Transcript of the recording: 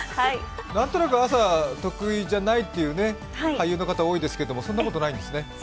何となく朝は得意じゃないという俳優の方、多いんですけどそんなことないですね。